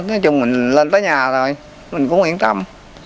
nói chung mình lên tới nhà thôi mình cũng yên tâm